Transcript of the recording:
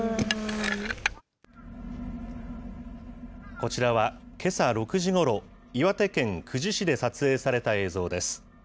こちらはけさ６時ごろ、岩手県久慈市で撮影された映像です。